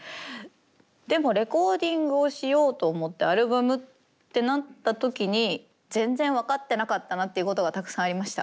でもレコーディングをしようと思ってアルバムってなった時に全然分かってなかったなっていうことがたくさんありました。